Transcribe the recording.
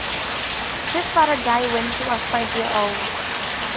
His father died when he was five years old.